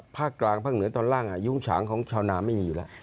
ภาคกลางภาคเหนือตอนล่างยุ้งฉางของชาวนาไม่มีอยู่แล้ว